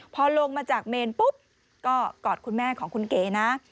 พอลงมาจากเมนปุ๊บก็กอดคุณแม่ของคุณเก๋นะ